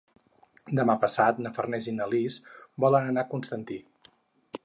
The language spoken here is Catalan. Demà passat na Farners i na Lis volen anar a Constantí.